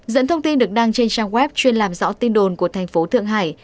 dẫn thông tin được đăng trên trang web chuyên làm rõ tin đồn của thành phố thượng hải